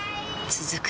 続く